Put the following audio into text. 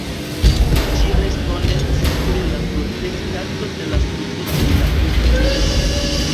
Ĝi respondecis pri la protektado de la sudo de la Imperio.